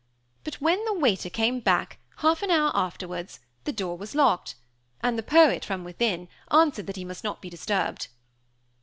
But when the waiter came back, half an hour afterwards, the door was locked; and the poet, from within, answered that he must not be disturbed.